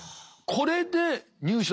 これで入試。